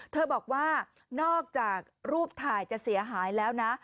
บอกว่านอกจากรูปถ่ายจะเสียหายแล้วนะ